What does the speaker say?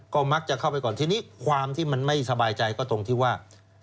ก็มักจะเข้าไปก่อนทีนี้ความที่มันไม่สบายใจก็ตรงที่ว่า